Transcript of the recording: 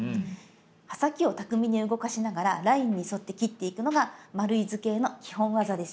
刃先を巧みに動かしながらラインに沿って切っていくのが丸い図形の基本技です。